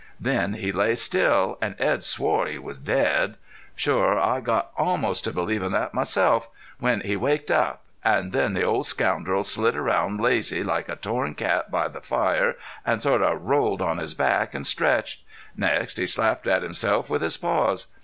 Then he lay still an' Edd swore he was dead. Shore I got almost to believin' thet myself, when he waked up. An' then the old scoundrel slid around lazy like a torn cat by the fire, and sort of rolled on his back an' stretched. Next he slapped at himself with his paws.